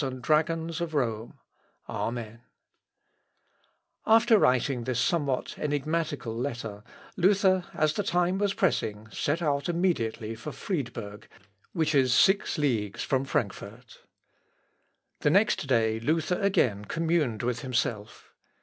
] After writing this somewhat enigmatical letter, Luther, as time was pressing, set out immediately for Friedberg, which is six leagues from Frankfort. The next day Luther again communed with himself.